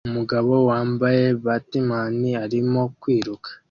Umugabo wambaye batman arimo kwiruka